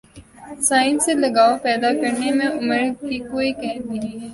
science سے لگاؤ پیدا کرنے میں عمر کی کوئی قید نہیں ہے